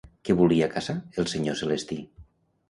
Què volia caçar el senyor Celestí?